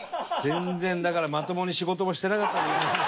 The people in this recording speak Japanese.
全然だからまともに仕事もしてなかったんじゃ。